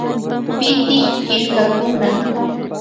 Pitik killkakuna